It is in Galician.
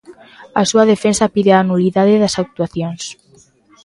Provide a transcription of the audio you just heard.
A súa defensa pide a nulidade das actuacións.